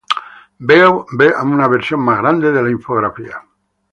Vea una versión más grande de la infografía.